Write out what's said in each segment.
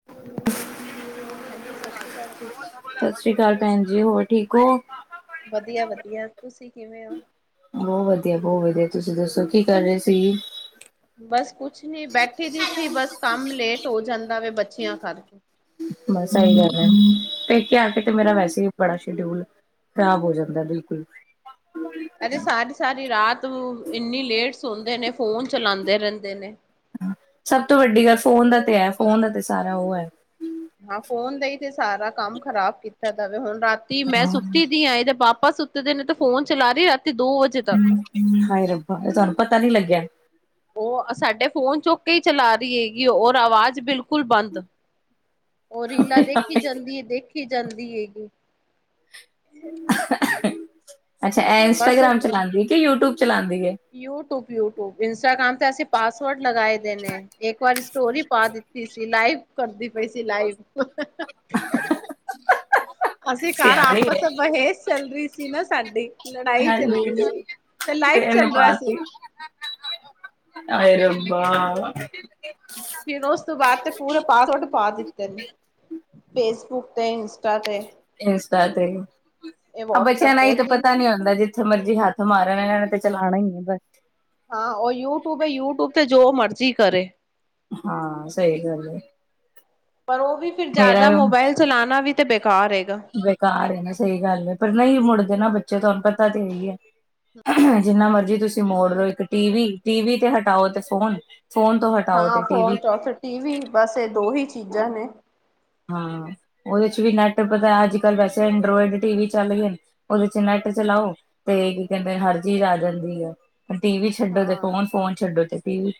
[inaudible] ਹਾਂਜੀ ਸਸ ਸ਼੍ਰੀ ਕਾਲ ਜੀ। ਸਸ ਸ੍ਰੀ ਕਾਲ ਭੈਣ ਜੀ ਹੋਰ ਠੀਕ ਓ? ਵਧੀਆ-ਵਧੀਆ, ਤੁਸੀਂ ਕਿਵੇਂ ਓ? ਬੋ ਵਧੀਆ, ਬੋ ਵਧੀਆ, ਤੁਸੀਂ ਦੱਸੋ ਕੀ ਕਰ ਰੇ ਸੀ? ਬਸ ਕੁਛ ਨੀ ਬੈਠੀ ਦੀ ਸੀ ਬਸ ਕੰਮ ਲੇਟ ਹੋ ਜਾਂਦਾ ਵੇ ਬੱਚੇਆਂ ਕਰਕੇ। ਬਸ ਐਈ ਗੱਲ ਐ, ਪੇਕੇ ਆ ਕੇ ਤੇ ਮੇਰਾ ਵੈਸੇ ਬੜਾ ਸ਼ਡਿਊਲ ਖਰਾਬ ਹੋ ਜਾਂਦਾ ਬਿਲਕੁਲ। ਐ ਤੇ ਸਾਰੀ-ਸਾਰੀ ਰਾਤ ਇੰਨੀ ਲੇਟ ਸੌਦੇ ਨੇ ਫੋਨ ਚਲਾਂਦੇ ਰੈਂਦੇ ਨੇ। ਸਭ ਤੋਂ ਵੱਡੀ ਗੱਲ ਫੋਨ ਦਾ ਤੇ ਐ ਫੋਨ ਦਾ ਤੇ ਸਾਰਾ ਓ ਐ। ਹਾਂ ਫੋਨ ਦਾ ਈ ਤੇ ਸਾਰਾ ਕੰਮ ਖ਼ਰਾਬ ਕੀਤਾ ਦਾ ਵੇ ਹੁਨ ਰਾਤੀ ਮੈਂ ਸੁੱਤੀ ਦੀ ਆ ਏਦੇ ਪਾ ਪਾਪਾ ਸੁੱਤੇ ਦੇ ਨੇ ਤੇ ਫੋਨ ਚਲਾ ਰੀ ਰਾਤੀ ਦੋ ਵਜੇ ਤੱਕ ਹਾਏ ਰੱਬਾ ਤੇ ਤੁਆਨੂੰ ਪਤਾ ਨੀ ਲੱਗੇਆ। ਓ ਸਾਡੇ ਫੋਨ ਚੁੱਕ ਕੇ ਈ ਚਲਾ ਰੀ ਹੈਗੀ ਔਰ ਆਵਾਜ਼ ਬਿਲਕੁਲ ਬੰਦ। ਉਹ ਰੀਲਾ ਦੇਖੀ ਜਾਂਦੀ ਹੈ ਦੇਖੀ ਜਾਂਦੀ ਹੈਗੀ। ਅੱਛਾ ਇਹ ਇੰਸਟਾਗ੍ਰਾਮ ਚਲਾਉਂਦੀ ਹੈ ਕਿ ਯੂਟਿਊਬ ਚਲਾਉਂਦੀ ਹੈ? ਯੂਟਿਊਬ- ਯੂਟਿਊਬ ਇੰਸਟਾਗ੍ਰਾਮ ਤੇ ਅਸੀਂ ਪਾਸਵਰਡ ਲਗਾਏ ਦੇ ਨੇ, ਇੱਕ ਵਾਰੀ ਸਟੋਰੀ ਪਾ ਦਿੱਤੀ ਸੀ ਲਾਈਵ ਕਰ ਦਿੱ ਤੀ ਸੀ ਲਾਈਵ। ਅਸੀਂ ਘਰ ਸਿਆਣੀ ਆਪਸ ਹੈ ਬਹਿਜ ਚੱਲ ਰਹੀ ਸੀ ਨਾ ਸਾਡੀ। ਲੜਾਈ ਚੱਲ ਰਹੀ ਹਾਂਜੀ ਸੀ, ਤੇ ਲਾਈਵ ਇਹਨੇ ਚੱਲ ਰਿਹਾ ਸੀ। ਪਾਤੀ ਹਾਏ ਰੱਬਾ ਫੇਰ ਉਸ ਤੋਂ ਬਾਅਦ ਤੇ ਪੂਰਾ ਪਾਸਵਰਡ ਪਾ ਦਿੱਤੇ ਨੇ ਫੇਸਬੁੱਕ ਤੇ ਇੰਸਟਾ ਤੇ ਇੰਸਟਾ ਤੇ ਇਹ ਬੱਚਿਆਂ ਵਟਸਐਪ ਨੂੰ ਏ ਹੀ ਤੇ ਤਾਂ ਤਿੰਨ ਪਤਾ ਚੀਜ਼ ਨੀ ਹੁੰਦਾ ਜੀ। ਜਿੱਥੇ ਮਰਜ਼ੀ ਹੱਥ ਮਾਰਨ ਇਹਨਾਂ ਨੇ ਤੇ ਚਲਾਣਾ ਹੀ ਹੈ ਬਸ। ਹਾਂ ਉਹ ਯੂਟਿਊਬ ਹੈ ਯੂਟਊਬ ਤੇ ਜੋ ਮਰਜ਼ੀ ਕਰੇ। ਹਾਂ ਸਹੀ ਗੱਲ ਹੈ। ਪਰ ਉਹ ਵੀ ਫੇਰ ਮੇਰਾ ਜ਼ਿਆਦਾ ਮੋਬਾਇਲ ਚਲਾਉਣਾ ਵੀ ਤੇ ਬੇਕਾਰ ਹੈਗਾ। ਘਰ ਏ ਨਾ ਸਹੀ ਗੱਲ ਹੈ ਪਰ ਨਹੀਂ ਮੁੜਦੇ ਨਾ ਬੱਚੇ ਤੁਹਾਨੂੰ ਪਤਾ ਤੇ ਇਹੀ ਹੈ। ਜਿੰਨਾ ਮਰਜੀ ਤੁਸੀਂ ਮੋੜ ਲੋ ਇੱਕ ਟੀ ਵੀ, ਟੀ ਵੀ ਤੇ ਹਟਾਓ ਤੇ ਫੋਨ, ਫੋਨ ਤੋਂ ਹਟਾਓ ਹਾਂ ਤੇ ਫੋਨ ਟੀਵੀ ਚ ਹਟੇ ਟੀ ਵੀ ਬਸ ਇਹ ਦੋ ਹੀ ਚੀਜ਼ਾਂ ਨੇ। ਹਾਂ ਉਹਦੇ ਚ ਵੀ ਨੈਟ ਪਤਾ ਅੱਜ ਕੱਲ ਵੈਸੇ ਐਂਡਰੋਇਡ ਟੀ ਵੀ ਚੱਲ ਗਏ ਨੇ। ਉਹਦੇ ਚ ਨੈਟ ਚਲਾਓ ਤੇ ਕੀ ਕਹਿੰਦੇ ਹਰ ਚੀਜ਼ ਆ ਜਾਂਦੀ ਆ। ਟੀ ਵੀ ਛੱਡੋ ਤੇ ਹਾਂ ਫੋਨ, ਫੋਨ ਛੱਡੋ ਤੇ ਟੀ ਵੀ।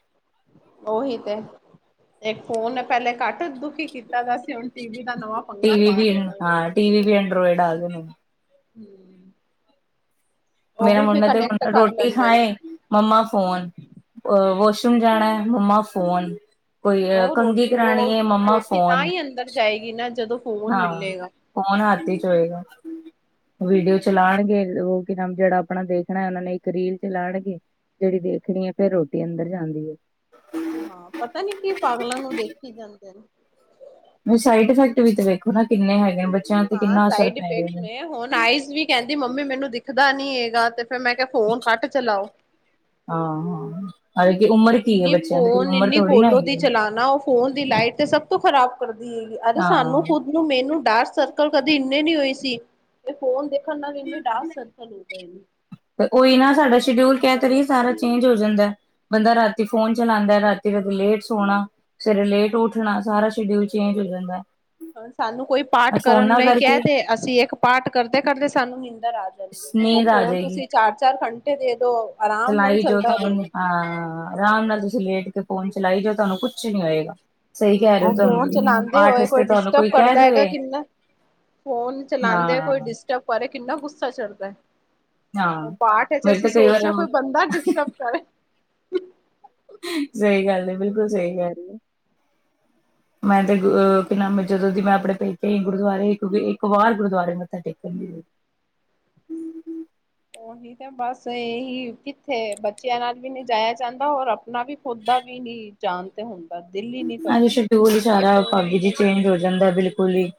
ਉਹੀ ਤੇ, ਇੱਕ ਫੋਨ ਪਹਿਲੇ ਘੱਟ ਘਟ ਦੁਖੀ ਕੀਤਾ ਵੇਆ ਸੀ ਹੁਣ ਟੀ ਵੀ ਦਾ ਨਵਾਂ ਪੰਗਾ ਪਾ ਦਿੱਤਾ ਏ। ਟੀ ਵੀ ਐਂਡੋਇਡ ਆ ਗਏ ਨੇ। ਹੂੰ। ਉਹ ਮੇਰਾ ਵੀ ਫਿਰ ਮੁੰਡਾ ਤੇ ਕਨੈਕਟ ਅਗਰ ਕਰ ਰੋਟੀ ਲੈਂਦੇ ਨੇ ਖਾਏ ਮੰਮਾ ਫੋਨ, ਅ ਵਾਸ਼ਰੂਮ ਜਾਣਾ ਹੈ ਮੰਮਾ ਫੋਨ। ਕੋਈ ਏ ਉਹ ਕੰਘੀ ਰੋਟੀ ਕਰਾਣੀ ਉਹ ਹੈ ਮੰਮਾ ਰੋਟੀ ਤਾਂ ਫੋਨ। ਹੀ ਅੰਦਰ ਜਾਏਗੀ ਨਾ ਜਦੋਂ ਫੋਨ ਹਾਂ ਮਿਲੇਗਾ। ਫੌਨ ਹੱਥੀ ਚ ਹੋਏਗਾ। ਵੀਡੀਓ ਚਲਾਉਣਗੇ ਉਹ ਕੀ ਨਾਮ ਜਿਹੜਾ ਆਪਣਾ ਦੇਖਣਾ ਉਹਨਾਂ ਨੇ ਇੱਕ ਰੀਲ ਚਲਾਣਗੇ। ਜਿਹੜੀ ਦੇਖਣੀ ਹੈ ਫੇਰ ਰੋਟੀ ਅੰਦਰ ਜਾਂਦੀ ਹੈ। ਹਾਂ ਪਤਾ ਨੀ ਕੀ ਪਾਗਲਾਂ ਵਾਂਗ ਦੇਖੀ ਜਾਂਦੇ ਨੇ। ਓ ਸਾਈਡ ਇਫੈਕਟ ਵੀ ਵੇਖੋ ਨਾ ਕਿੰਨੇ ਹੈਗੇ ਨੇ ਬੱਚ ਹਾਂ ਸਾਈਡ ਇਫੈਕਟ ਨੇ, ਹੁਨ ਆਈਜ਼ ਵੀ ਕਹਿੰਦੀ ਮੰਮੀ ਮੈਨੂੰ ਦਿਖਦਾ ਨੀ ਹੇਗਾ ਤੇ ਫੇਰ ਮੈਂ ਕਿਆ ਫੋਨ ਘਟ ਚਲਾਓ। ਹਾਂ-ਹਾਂ, ਹਾਲੇ ਕਿ ਉਮਰ ਕੀ ਏ ਇੰਨੀ ਬੱਚੇਆਂ ਦੀ ਕੋਈ ਫੋਨ ਉਮਰ ਇੰਨੀ ਥੋੜੀ ਨਾ ਕੋਲੋਂ ਦੀ ਹੈਗੀ ਏ। ਚਲਾਣਾ ਉਹ ਫੋਨ ਦੀ ਲਾਈਟ ਤੇ ਸਭ ਤੋਂ ਖ਼ਰਾਬ ਕਰਦੀ ਹੇਗੀ, ਅਰੇ ਸਾਨੂੰ ਹਾਂ ਖੁਦ ਨੂੰ ਮੈਨੂੰ ਡਾਰਕ ਸਰਕਲ ਕਦੇ ਇੰਨੇ ਨੀ ਹੋਏ ਸੀ, ਤੇ ਫੋਨ ਦੇਖਣ ਨਾਲ ਇੰਨੇ ਡਾਰਕ ਸਰਕਲ ਹੋ ਗੇ। ਅੱਛਾ ਜੀ। ਤਾਂ ਓਈ ਨਾ ਸਾਡਾ ਸ਼ਡਿਊਲ ਕਹਿ ਤੇ ਰਈ ਆ ਸਾਰਾ ਚੇਂਜ ਹੋ ਜਾਂਦਾ ਏ। ਬੰਦਾ ਰਾਤੀ ਫੋਨ ਚਲਾਂਦਾ ਏ ਰਾਤੀ ਫੇਰ ਲੇਟ ਸੋਣਾ। ਸਵੇਰੇ ਲੇਟ ਉੱਠਣਾ ਸਾਰਾ ਸ਼ਡਿਊਲ ਚੇਂਜ ਹੋ ਜਾਂਦਾ ਏ। ਹੁਣ ਸਾਨੂੰ ਕੋਈ ਪਾਠ ਕਰਨ ਲਈ ਕੈਅ ਕਰਕੇ ਦੇ ਅਸੀਂ ਇੱਕ ਪਾਠ ਕਰਦੇ-ਕਰਦੇ ਸਾਨੂੰ ਨਿੰਦਰ ਆ। ਜਾਂਦੀ ਏ ਓ ਨੀਂਦ ਆ ਫੋਨ ਜਾਏਗੀ। ਤੁਸੀਂ ਚਾਰ-ਚਾਰ ਘੰਟੇ ਦੇ ਦੋ ਆਰਾਮ ਨਾਲ ਚਲਾਈ ਜੋ ਚੱਲਦਾ ਤੁਹਾਨੂੰ ਰਏਗਾ। ਹਾਂ, ਆਰਾਮ ਨਾਲ ਤੁਸੀਂ ਲੇਟ ਕੇ ਫੋਨ ਚਲਾਈ ਜਾਓ ਤੁਆਨੂੰ ਕੁਛ ਨੀ ਹੋਏਗਾ। ਸਹੀ ਹੂੰ ਕਹਿ ਰਹੇ ਓ ਹੋ ਫੋਨ ਤੁਹਾਨੂੰ ਚਲਾਂਦੇ ਪਾਠ ਹੋਏ ਕੋਈ ਵਾਸਤੇ ਤੁਹਾਨੂੰ ਡਿਸਟਬ ਕਹਿ ਕਰਦਾ ਹੈਗਾ ਦੇਵੇ ਕਿੰਨਾ ਫੋਨ ਚਲਾਂਦੇ ਹਾਂ ਕੋਈ ਡਿਸਟਬ ਕਰੇ ਕਿੰਨਾ ਗੁੱਸਾ ਚੜਦੈ। ਹਾਂ। ਓ ਪਾਠ ਏ ਚ ਮੇਰੇ ਅਸੀਂ ਤਾਂ ਕਈ ਵਾਰ ਸੋਚਦੇਆ ਕੋਈ ਬੰਦਾ ਡਿਸਟਰਬ ਕਰੇ। ਸਈ ਗੱਲ ਏ, ਬਿਲਕੁਲ ਸਈ ਗੱਲ ਏ। ਮੈਂ ਤੇ ਅ ਕੀ ਨਾਮ ਏ ਜਦੋਂ ਦੀ ਮੈਂ ਆਪਣੇ ਪੇਕੇ ਆਈ, ਗੁਰਦੁਆਰੇ ਇੱਕ-ਇੱਕ ਵਾਰ ਗੁਰਦੁਆਰੇ ਮੱਥਾ ਟੇਕਣ ਨੀ ਗਈ। ਓਹੀ ਬਸ ਏਹੀ ਕਿੱਥੇ ਬੱਚਿਆਂ ਨਾਲ ਵੀ ਨਈਂ ਜਾਇਆ ਜਾਂਦਾ ਔਰ ਅਪਨਾ ਵੀ ਖੁਦ ਦਾ ਵੀ ਨੀ ਜਾਨ ਤੇ ਹੁੰਦੀ ਐਵੇਂ ਸ਼ਡਿਊਲ ਸਾਰਾ ਭਾਬੀ ਫੋਨ ਜੀ ਦੇ ਚੇਂਜ ਹੋ ਪਿੱਛੇ ਜਾਂਦਾ ਬਿਲਕੁਲ ਈ।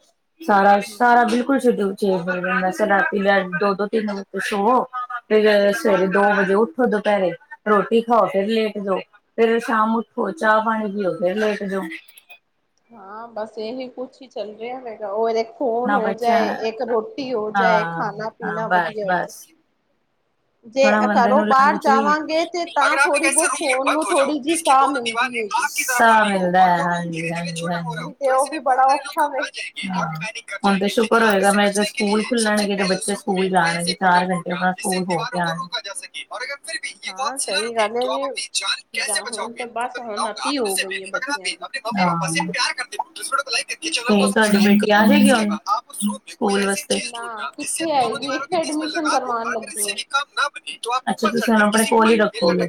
ਹਮ ਸਾਰਾ-ਸਾਰਾ, ਬਿਲਕੁਲ ਸ਼ਡਿਊਲ। ਚੇਂਜ ਹੋ ਜਾਂਦਾ ਏ, ਸੋ ਰਾਤੀ ਦੋ-ਦੋ, ਤਿੰਨ ਵਜੇ ਸੋਵੋ ਤੇ ਸਵੇਰੇ ਦੋ ਵਜੇ ਉੱਠ ਉਠੋ ਦੁਪੈਰੇ ਰੋਟੀ ਖਾਓ ਫਿਰ ਲੇਟ ਜਾੳ, ਫੇਰ ਸ਼ਾਮ ਉੱਠੋ ਚਾਹ ਪਾਣੀ ਪੀਓ। ਫੇਰ ਲੇਟ ਜੋ। ਹਾਂ, ਬਸ ਏਹੀ ਕੁਛ ਈ ਚੱਲ ਰਿਆ ਹੈਗਾ, ਓ ਵੇਖ ਫੋਨ ਨਾ ਹੋ ਬੱਚਿਆਂ ਜਾਏ, ਇੱਕ ਰੋਟੀ ਹੋ ਜਾਏ, ਹਾਂ ਹਾਂ ਖਾਨਾ-ਪੀਨਾ ਬਸ ਵਦੀਆ ਹੋ ਜਾਏ। ਬਸ ਜੇ ਥੋੜਾ ਅ ਬੰਦੇ ਘਰੋ ਨੂੰ ਬਾਰ ਲਾਲਚ ਵੀ ਜਾਵਾਂਗੇ ਤੇ ਤਾਂ ਥੋੜੀ-ਬੋਤ ਫੋਨ ਨੂੰ ਥੋੜੀ ਜੀ ਸਾਹ ਮਿਲਦੀ ਹੈਗੀ। ਸਾਹ ਮਿਲਦਾ ਐ, ਹਾਂਜੀ-ਹਾਂਜੀ-ਹਾਂਜੀ। ਹਾਂ, ਨਹੀਂ ਤੇ ਉਹ ਵੀ ਬੜਾ ਔਖਾ ਵੇ ਹੁਣ ਤੇ ਸ਼ੁਕਰ ਹੋਏਗਾ ਮੈਂ ਜਦ ਸਕੂਲ ਖੁੱਲਣਗੇ ਤੇ ਬੱਚੇ ਸਕੂਲ ਜਾਣਗੇ। ਚਾਰ ਘੰਟੇ ਦਾ ਸਕੂਲ ਹੋ ਕੇ ਆਨ। [inaudible] ਹਾਂ, ਤੇ ਹਾਂ ਸਹੀ ਗੱਲ ਹੈ ਤੁਆਡੀ ਜੀ ਜਾਂ ਹੁਣ ਤੇ ਬਸ ਹੁਣ ਅਤੀ ਹੋ ਗਈ ਹੈ ਬੱਚਿਆਂ ਦੀ ਬੇਟੀ ਆ ਜਾਏਗੀ ਓਨੂੰ ਸਕੂਲ ਵਸਤੇ ਨਾ ਕਿੱਥੇ ਆਏਗੀ ਇੱਥੇ ਐਡਮਿਸ਼ਨ ਕਰਵਾਉਣ ਲੱਗੀ ਹੈ। ਅੱਛਾ, ਤੁਸੀਂ ਆਪਣੇ ਕੋਲ ਈ ਰੱਖੋਗੇ। ਅ ਹ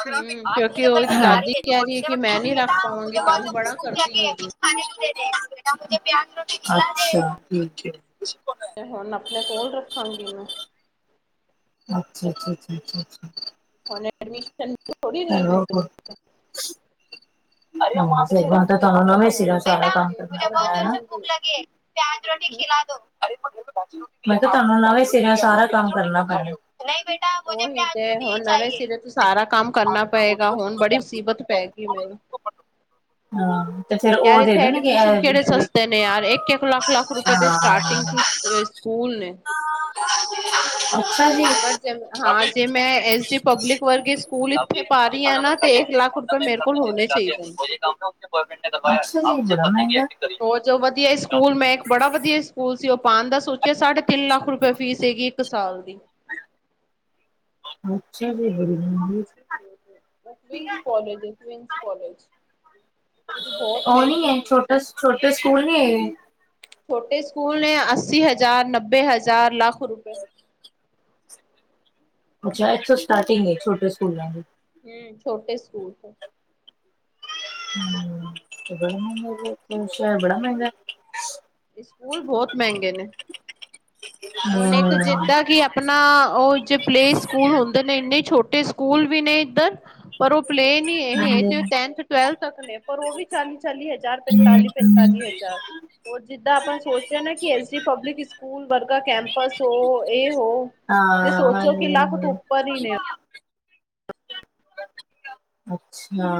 [unintelligible] ਹਮ ਕਿਉਂਕਿ ਉਹ ਦਾਦੀ ਕਹਿ ਰਹੀ ਹੈ ਕਿ ਮੈਂ ਨਹੀਂ ਰੱਖ ਪਾਵਾਂਗੀ ਤੰਗ ਬੜਾ ਕਰਦੀ ਹੈਗੀ। ਅੱਛਾ, ਠੀਕ ਏ। ਤੇ ਹੁਣ ਅਪਣੇ ਕੋਲ ਰੱਖਾਂਗੀ ਇਨੂੰ ਅੱਛਾ-ਅੱਛਾ-ਅੱਛਾ-ਅੱਛਾ-ਅੱਛਾ। ਹੁਨ ਐਡਮਿਸ਼ਨ ਥੋੜੀ ਨਾ ਦੇਣਗੇ। ਹੂੰ ਸਈ ਬਾਤ ਏ, ਤੁਆਨੂੰ ਉਹ ਤੇ ਨਵੇ ਸੀਰੇ ਓ ਹੁਣ ਸਾਰਾ ਕਿਸੇ ਕੰਮ ਦੀ ਕਰਨਾ ਪੈਨਾ ਏ ਨਾ। ਮੈਂ ਕਰਵਾਵਾਂਗੇ। ਕਿਆ ਤੁਆਨੂੰ ਨਵੇਂ ਸਿਰੇ ਓ ਸਾਰਾ ਕੰਮ ਕਰਨਾ ਪੈਣਾ। ਓਹੀ ਤੇ ਐ ਹੁਨ ਨਵੇਂ ਸਿਰੇ ਤੋਂ ਸਾਰਾ ਕੰਮ ਕਰਨਾ ਪਏਗਾ, ਹੁਣ ਬੜੀ ਮੁਸੀਬਤ ਪੈਗੀ। ਫਿਰ ਹਾਂ ਤੇ ਉਹ ਯਾਰ ਦੇ ਇੱਥੇ ਦੇਣਗੇ ਐਡਮਿਸ਼ਨ ਇਹ ਕੇੜੇ ਜਿਹੜੇ ਸਸਤੇ ਨੇ ਯਾਰ ਇੱਕ-ਇੱਕ ਲੱਖ-ਲੱਖ ਰੁਪਏ ਦੇ ਸਟਾਰਟਿੰਗ ਤੋ ਈ ਅ ਸਕੂਲ ਨੇ। [inaudible] ਜੀ ਅਗਰ ਜੇ ਹਾਂ ਜੇ ਮੈਂ ਐਸ ਡੀ ਪਬਲਿਕ ਵਰਗੇ ਸਕੂਲ ਇੱਥੇ ਪਾ ਰਈ ਆ ਨਾਂ ਤੇ ਇੱਕ ਲੱਖ ਪਰ ਮੇਰੇ ਕੋਲ ਹੋਨੇ ਚਾਈਦੇ ਨੇ। ਅੱਛਾ ਜੀ, ਏ ਬੜਾ ਮਹਿਂਗਾ ਏ। ਉਹ ਜੋ ਵਧੀਆ ਹੀ ਸਕੂਲ ਮੈਂ ਇੱਕ ਬੜਾ ਵਧੀਆ ਸਕੂਲ ਸੀ ਉਹ ਪਾਣ ਦਾ ਸੋਚਿਆ ਸਾਢੇ ਤਿੰਨ ਲੱਖ ਰੁਪਏ ਫੀਸ ਹੈਗੀ ਇੱਕ ਸਾਲ ਦੀ। ਅੱਛਾ ਜੀ, ਬੜੀ ਮਹਿੰਗੀ ਏ। ਉ ਕਵੀਨਸ ਕਾਲਜ ਏ ਕਵੀਨਸ ਕਾਲਜ। ਉਹਦੀ ਬਹੁਤ ਉ ਨੀ ਮਹਿੰਗੀ ਹੈ, ਫੀਸ ਛੋਟਾ ਹੈਗੀ। ਛੋਟੇ ਸਕੂਲ ਨੀ ਹੈਗੇ। ਛੋਟੇ ਸਕੂਲ ਨੇ ਅੱਸੀ ਹਜ਼ਾਰ, ਨੱਬੇ ਹਜ਼ਾਰ, ਲੱਖ ਰੁਪਏ। ਅੱਛਾ! ਏਥੋਂ ਸਟਾਟਿੰਗ ਏ ਛੋਟੇ ਸਕੂਲਾਂ ਦੀ। ਹੂੰ! ਛੋਟੇ ਸਕੂਲ ਤੋਂ। [unintelligible] ਸਕੂਲ ਬੋਤ ਮੈਂਗੇ ਨੇ। ਹੁਣ ਇੱਕ ਹਮ, ਜਿੱਦਾਂ ਕੀ ਆਪ ਆਪਣਾ ਓ ਜੇ ਪਲੇ ਸਕੂਲ ਹੁੰਦੇ ਨੇ ਏਨੇ ਛੋਟੇ ਸਕੂਲ ਵੀ ਨੇ ਏਧਰ। ਪਰ ਓ ਪਲੇਨ। ਵੀ ਹਾਂਜੀ। ਹਾਂ ਏਹ ਟੈਥ ਟਵੈਲਥ ਤੱਕ ਨੇ, ਪਰ ਓ ਵੀ ਚਾਲ਼ੀ- ਚਾਲ਼ੀ ਹਜ਼ਾਰ ਪੈਂਤਾਲੀ -ਪਤਾਲੀ ਹਜ਼ਾਰ। ਹੁਣ ਜਿੱਦਾਂ ਆਪਾਂ ਸੋਚ ਰਹੇ ਨਾ ਕੀ ਐਸ ਡੀ ਪਬਲਿਕ ਸਕੂਲ ਵਰ ਕੈਂਪਸ ਓ ਏ ਓ ਤੇ ਸੋਚੋ ਕੀ ਹਾਂਜੀ, ਲੱਖ ਤੋਂ ਹਾਂਜੀ। ਉੱਪਰ ਈ ਨੇ। ਅੱਛਾ!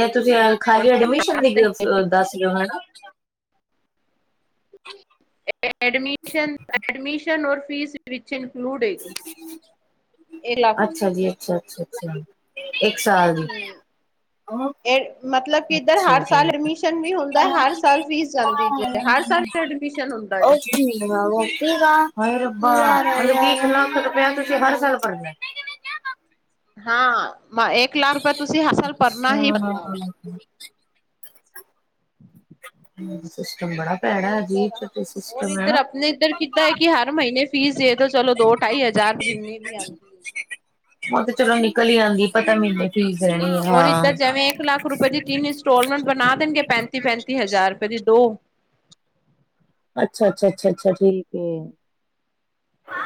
ਏ ਤੁਸੀਂ ਆ ਖਾਲੀ ਅਡਮਿਸ਼ਨ ਲਈ ਦੱਸ ਦਿਉ ਓਨਾ ਹਨਾ। ਐਡਮਿਸ਼ਨ ਐਡਮਿਸ਼ਨ ਔਰ ਫ਼ੀਸ। ਵਿੱਚ ਇਨਕਲੂਡ ਹੈਗੀ, ਏ ਲਖ ਅੱਛਾ ਜੀ, ਅੱਛਾ ਅੱਛਾ ਅੱਛਾ ਇੱਕ ਸਾਲ ਦੀ। ਏ ਮਤਲਬ ਕੀ ਏਧਰ ਅੱਛਾ ਹਰ ਜੀ ਸਾਲ ਐਡਮਿਸ਼ਨ ਵੀ ਹੁੰਦਾ, ਹਰ ਸਾਲ ਫ਼ੀਸ ਜਾਂਦੀ ਜੇ। ਤੇ ਹਰ ਸਾਲ ਐਡਮਿਸ਼ਨ ਹੁੰਦਾ ਜੇ। [unintelligible] ਹਾਂ ਹਾਂ ਮ ਇੱਕ ਲੱਖ ਰੁਪਿਆ ਤੁਸੀਂ ਹਰ ਸਾਲ ਭਰਨਾ ਹੀ ਭਰਨਾ ਵਾ। ਅੱਛਾ! ਹੂੰ ਸਿਸਟਮ ਬੜਾ ਭੈੜਾ ਐ ਜੀ ਅਜੀਬ ਤੇ ਸਿਸਟਮ ਹੈ ਨਾ। ਹੁੁਣ ਏਧਰ ਕਿਧਾ ਐ ਕੀ ਹਰ ਮੀਨੇ ਫੀਸ ਦੇ ਦੋ, ਚਲੋ ਦੋ ਢਾਈ ਹਜ਼ਾਰ ਜਿੰਨੇ ਵੀ ਹਨ। ਓ ਤੇ ਚਲੋ ਨਿਕਲ ਈ ਆਂਦੀ ਪਤਾ ਮੈਨੂੰ। ਹਾਂ ਔਰ ਇੱਧਰ ਜੇਵੇਂ। ਇੱਕ ਲੱਖ ਰੁਪਏ ਦੀ ਤਿੰਨ ਇੰਸਟਾਲਮੈਂਟ ਬਣਾ ਦੇਣਗੇ ਪੈਂਤੀ- ਪੈਂਤੀ ਹਜ਼ਾਰ ਰੁਪਏ ਦੀ ਦੋ। ਅੱਛਾ ਅੱਛਾ ਅੱਛਾ ਅੱਛਾ ਠੀਕ ਏ।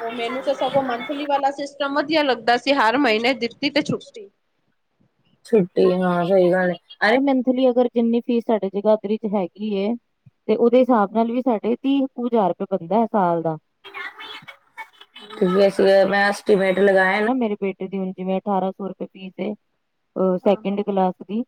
ਓ ਮੈਨੂੰ ਤੇ ਸਗੋਂ ਮੰਥਲੀ ਵਾਲਾ ਸਿਸਟਮ ਵਧੀਆ ਲੱਗਦਾ ਸੀ, ਹਰ ਮਹੀਨੇ ਦਿੱਤੀ ਤੇ ਛੁੱਟੀ। ਛੁੱਟੀ ਹਾਂ ਸਈ ਗੱਲ ਐ, ਅਰੇ ਮੰਥਲੀ ਅਗਰ ਜਿੰਨੀ ਫੀਸ ਸਾਡੇ ਜਗਾਦਰੀ 'ਚ ਹੈਗੀ ਏ। ਤੇ ਓਦੇ ਹਿਸਾਬ ਨਾਲ ਵੀ, ਸਾਡੇ ਤੀਹ ਕੁ ਹਜ਼ਾਰ ਰੁਪਇਆ ਬਣਦਾ ਐ ਸਾਲ ਦਾ। ਹੂੰ, ਈਵੇੈਂਟ ਲਗਾਇਆ ਨਾ, ਮੇਰੇ ਬੇਟੇ ਦੀ ਹੁਣ ਜਿਵੇਂ ਅਠਾਰਾਂ ਸੌ ਰੁਪਏ ਫੀਸ ਏ ਹਾਂ ਸੈਕਿੰਡ ਹਾਂ ਕਲਾਸ। ਦੀ।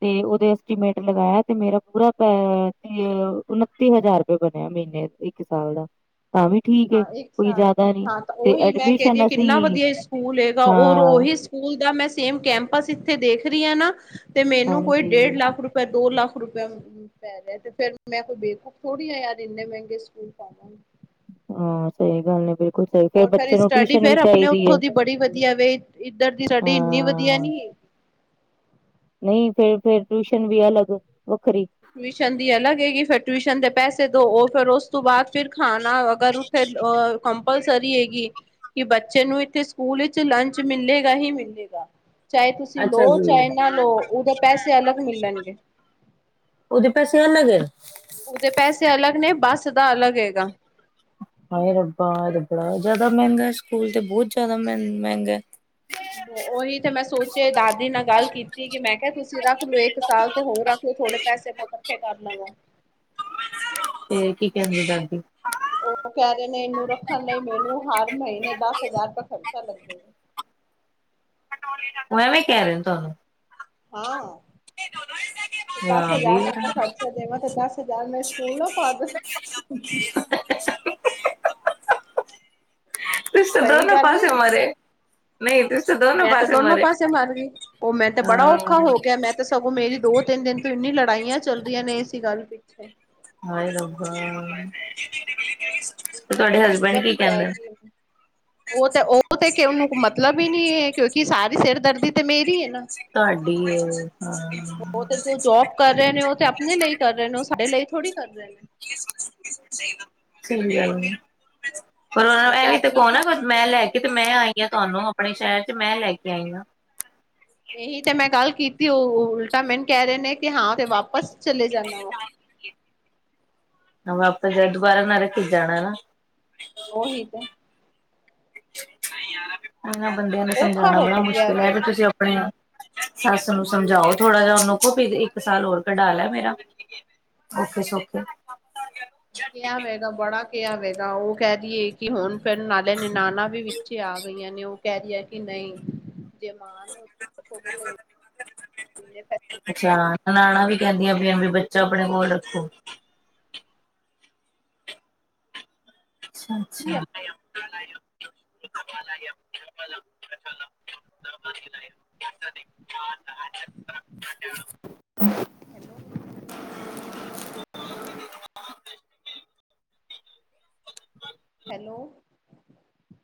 ਤੇ ਓਦੇ ਐਸਟੀਮੇਟ ਲਗਾਇਆ, ਤੇ ਮੇਰਾ ਪੂਰਾ ਅਹ ਉਨੱਤੀ ਹਜ਼ਾਰ ਰੁਪਏ ਬਣਿਆ ਮਹੀਨੇ। ਇੱਕ ਸਾਲ ਦਾ ਤਾਂ ਵੀ। ਠੀਕ ਏ ਹਾਂ! ਇੱਕ ਕੋਈ ਸਾਲ ਜ਼ਿਆਦਾ ਨੀ ਹਾਂ ਤਾਂ ਤੇ ਓਹੀ ਮੈਂ ਕੈਂਦੀ ਐਡਮਿਸ਼ਨ ਆਂ ਕਿੰਨਾ ਅਸੀਂ ਵਧੀਆ ਸਕੂਲ ਹੈਗਾ ਔਰ ਹਾਂ ਓਹੀ। ਸਕੂਲ ਦਾ ਮੈਂ ਸੇਮ ਕੈਂਪਸ ਇੱਥੇ ਦੇਖ ਰੀ ਆਂ ਨਾ ਤੇ ਮੈਨੂੰ ਕੋਈ ਹਾਂਜੀ ਡੇਢ ਲੱਖ। ਪਰ ਦੋ ਲੱਖ ਰੁਪਇਆ। ਪੈ ਰਿਹਾ ਤੇ ਫੇਰ ਮੈਂ ਕੋਈ ਬੇਕੂਫ ਥੋੜੀ ਆਂ ਯਾਰ, ਏਨੇ ਮੈਂਗੇ ਸਕੂਲ ਪਾਵਾਂ। ਹਾਂ, ਸਈ ਗੱਲ ਆ ਬਿਲਕੁਲ ਸਈ, ਫੇਰ ਔਰ ਬੱਚੇ ਨੂੰ ਸਟੱਡੀ ਟਿਊਸ਼ਨ ਵੀ ਫੇਰ ਆਪਣੇ ਚਾਈਦੀ ਉੱਥੋਂ ਏ। ਦੀ ਬੜੀ ਵਧੀਆ ਵੇ ਇੱਧਰ ਦੀ ਸਾਡੀ ਇੰਨੀ ਵਧੀਆ ਹਾਂ ਨੀ ਏ। ਨਈ ਤੇ ਫੇਰ ਟਿਊਸ਼ਨ ਵੀ ਅਲੱਗ ਵੱਖਰੀ। ਟਿਊਸ਼ਨ ਦੀ ਅਲੱਗ ਹੈਗੀ ਫੇਰ ਟਿਊਸ਼ਨ ਦੇ ਪੈਸੇ ਦੋ, ਓ ਫੇਰ ਓਸ ਤੋਂ ਬਾਦ ਫੇਰ ਖਾਣਾ ਅਗਰ ਫੇਰ ਅ ਕੰਪਲਸਰੀ ਹੈਗੀ। ਕੀ ਬੱਚੇ ਨੂੰ ਏਥੇ ਸਕੂਲ ਵਿੱਚ ਲੰਚ ਮਿਲੇਗਾ ਹੀ ਮਿਲੇਗਾ। ਚਾਏ ਤੁਸੀ ਲੋ ਅੱਛਾ ਜੀ ਚਾਏ ਨਾ ਲਓ, ਓਦੇ ਪੈਸੇ ਅਲੱਗ ਮਿਲਣਗੇ। ਉਹਦੇ ਪੈਸੇ ਅਲਗ ਏ ਉਹਦੇ ਪੈਸੇ ਅਲੱਗ ਨੇ ਬੱਸ ਦਾ ਅਲੱਗ ਹੈਗਾ। ਹਾਏ ਰੱਬਾ, ਇਹ ਤਾਂ ਬੜਾ ਜ਼ਿਆਦਾ ਮਹਿੰਗਾ ਏ ਸਕੂਲ ਤੇ, ਬਹੁਤ ਜ਼ਿਆਦਾ ਮਹ ਮਹਿੰਗਾ ਏ। ਉਹੀ ਤੇ ਮੈਂ ਸੋਚਿਆ ਦਾਦੀ ਨਾਲ ਗੱਲ ਕੀਤੀ ਕਿ ਮੈਂ ਕਿਹਾ ਤੁਸੀਂ ਰੱਖ ਲਓ, ਇੱਕ ਸਾਲ ਤੇ ਹੋਰ ਰੱਖ ਥੋੜੇ ਪੈਸੇ ਮੈਂ ਕੱਠੇ ਕਰ ਲਵਾਂ ਤੇ ਕੀ ਕਹਿੰਦੀ ਦਾਦੀ? ਉਹ ਕਹ ਰਹੇ ਨੇ ਇਹਨੂੰ ਰੱਖਣ ਲਈ ਮੈਨੂੰ ਹਰ ਮਹੀਨੇ ਦਸ ਹਜ਼ਾਰ ਰੁਪਏ ਖਰਚਾ ਲਗੇਗਾ ਉਹ ਐਵੇਂ ਹੀ ਕਹਿ ਰਹੇ ਨੇ ਤੁਹਾਨੂੰ। ਹਾਂ। ਦਸ ਹਾਂ ਵੀ ਹਜ਼ਾਰ ਦਾ ਖਰਚਾ ਦੇਂਵਾਂ ਤੇ ਦਸ ਹਜ਼ਾਰ ਮੈਂ ਸਕੂਲ ਨਾ ਪਾਦਾ। ਤੁਸੀ ਤੇ ਸਹੀ ਦੋਨੋ ਗੱਲ ਨੀ ਪਾਸੇ ਮਰੇ। ਨਹੀਂ ਤੁਸ ਤਾਂ ਦੋਨੋ ਮੈਂ ਤੇ ਪਾਸੇ ਦੋਨੋ ਮਰੇ ਪਾਸੇ ਮਰ ਗਈ, ਉਹ ਮੈ ਤੇ ਬੜਾ ਹਾਂ ਔਖਾ ਹੋ ਗਿਆ, ਮੈਂ ਤੇ ਸਗੋਂ ਮੇਰੀ ਦੋ ਤਿੰਨ ਦਿਨ ਤੋਂ ਇੰਨੀ ਲੜਾਈਆਂ ਚੱਲ ਰਹੀਆਂ ਨੇ ਏਸੀ ਗੱਲ ਪਿੱਛੇ ਹਾਏ ਰੱਬਾ, ਤੁਹਾਡੇ ਹਸਬੈਂਡ ਮੁਸੀਬਤ ਕੀ ਹੀ ਪੈ ਕਹਿੰਦੇ? ਗਈ ਉਹ ਤੇ ਉਹ ਤੇ ਕਿ ਉਹਨੂੰ ਮਤਲਬ ਹੀ ਨੀ ਹੈ, ਕਿਉਂਕਿ ਸਾਰੀ ਸਿਰ ਦਰਦੀ ਤੇ ਮੇਰੀ ਏ ਨਾ। ਤੁਹਾਡੀ ਏ। ਉਹ ਤੇ ਜੋ ਜੋਬ ਕਰ ਰਹੇ ਨੇ ਉਹ ਤੇ ਅਪਣੇ ਲਈ ਕਰ ਰਹੇ ਨੇ, ਉਹ ਸਾਡੇ ਲਈ ਥੋੜੀ ਕਰ ਰਹੇ ਨੇ। ਸਹੀ ਗੱਲ ਏ। ਪਰ ਉਹਨਾਂ ਨੂੰ ਉਹ ਐ ਵੀਂ ਤੇ ਆਪਣੇ ਕਹੋ ਨਾ, ਖਾਣ ਮੈਂ ਪੀਣ ਲੈ ਦੀ ਕੇ ਤੇ ਮੈਂ ਆਈ ਯਾ ਤੁਹਾਨੂੰ ਅਪਣੇ ਸ਼ਹਿਰ ਚ ਮੈਂ ਲੈ ਕੇ ਆਈ ਹਾਂ ਇਹੀ ਤੇ ਮੈਂ ਗੱਲ ਕੀਤੀ, ਉਹ ਉਲਟਾ ਮੈਨੂੰ ਕਹ ਰਹੇ ਨੇ ਕਿ ਹਾਂ ਤੇ ਵਾਪਸ ਚਲੇ ਜਾਣਾ ਵਾ ਵਾਪਸ ਜਾ, ਦੁਬਾਰਾ ਨਰਕ ਚ ਜਾਣਾ ਏ ਨਾ। ਉਹੀ ਤੇ। ਏਨਾਂ ਬੰਦਿਆਂ ਨੂੰ ਔਖਾ ਸਮਝਾਉਣਾ ਬੜਾ ਹੋ ਗਿਆ ਮੁਸ਼ਕਿਲ ਏ, ਏ ਵੇ ਤੇ ਤੁਸੀਂ ਅਪਣੇ ਆਪ ਸੱਸ ਨੂੰ ਸਮਝਾਓ ਥੋੜਾ ਜਿਆ, ਉਹਨੂੰ ਕਹੋ ਇੱਕ ਸਾਲ ਹੋਰ ਕਢਾ ਲੈ ਮੇਰਾ। ਔਖੇ ਸੋਖ਼ੇ ਕਿਹਾ ਵੈਗਾ, ਬੜਾ ਕਿਹਾ ਵੈਗਾ, ਉਹ ਕਹ ਰਹੀ ਏ ਕਿ ਹੋਨ ਫੇਰ ਨਾਲੇ ਨਨਾਨਾਂ ਵੀ ਵਿੱਚੇ ਆ ਗਈਆਂ ਨੇ ਓ ਕੈ ਰੀ ਐ ਕਿ ਨਹੀਂ, ਜੇ ਮਾਂ ਨੂੰ ਰੱਖੋਗੇ ਤੇ ਇਨੇ ਪੈਸੇ ਅੱਛਾ, ਨਨਾਣਾਂ ਵੀ ਕਹਿੰਦੀਆਂ ਪਈਆਂ ਬੀ ਬੱਚਾ ਅਪਣੇ ਕੋਲ ਰੱਖੋ। ਅੱਛਾ, ਅੱਛਾ [unintelligible] [inaudible] [inaudible] ਹੈਲੋ। ਹੈਲੋ। ਹੈਲੋ।